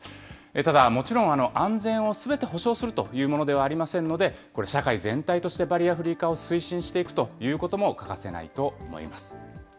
ただ、もちろん、安全をすべて保証するというものではありませんので、これ、社会全体としてバリアフリー化を推進していくということも欠かせないと思います。